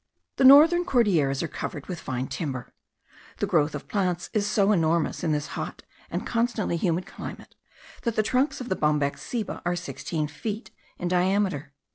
The northern Cordilleras are covered with fine timber. The growth of plants is so enormous in this hot and constantly humid climate, that the trunks of the Bombax ceiba are sixteen feet in diameter.